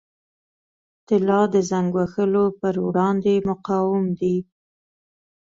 طلا د زنګ وهلو پر وړاندې مقاوم دی.